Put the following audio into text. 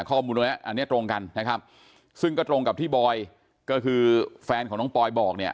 ข้อมูลตรงนี้อันนี้ตรงกันนะครับซึ่งก็ตรงกับที่บอยก็คือแฟนของน้องปอยบอกเนี่ย